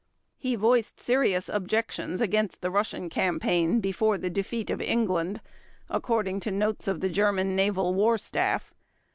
He voiced "serious objections against the Russian campaign before the defeat of England", according to notes of the German Naval War Staff.